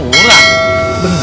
jadi tidak dikuburan